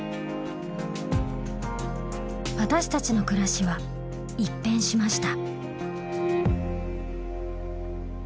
私たちの暮らしは一変しました。